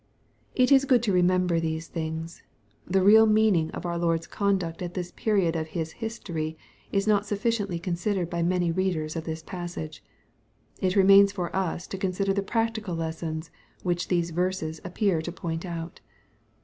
It is good to remember these things. The real mean ing of our Lord's conduct at this period of His history is not sufficiently considered by many readers of this pas sage. It remains for us to consider the practical lessons which these verses appear to point out.